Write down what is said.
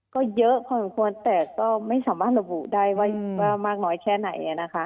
ก็เยอะพอสมควรแต่ก็ไม่สามารถระบุได้ว่ามากน้อยแค่ไหนนะคะ